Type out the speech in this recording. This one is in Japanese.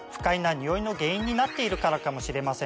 ニオイの原因になっているからかもしれません。